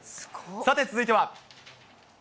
さて、続いては。